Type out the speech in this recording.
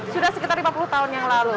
sudah sekitar lima puluh tahun yang lalu